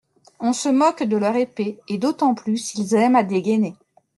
On se moque de leur épée ; et d'autant plus, ils aiment à dégainer.